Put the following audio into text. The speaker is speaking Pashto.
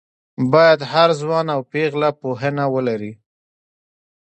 باید هر ځوان او پېغله پوهنه ولري